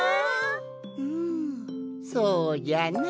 うんそうじゃな。